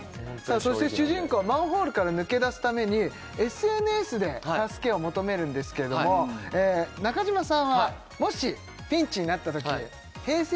そして主人公はマンホールから抜け出すためにＳＮＳで助けを求めるんですけれども中島さんはもしピンチになったときＨｅｙ！